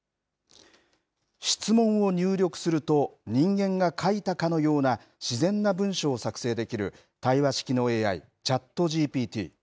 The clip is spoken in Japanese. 質問を入力すると、人間が書いたかのような自然な文章を作成できる対話式のＡＩ、ＣｈａｔＧＰＴ。